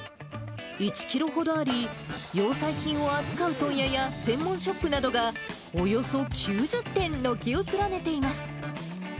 １キロほどあり、洋裁品を扱う問屋や専門ショップなどが、およそ９０店、軒を連ねています。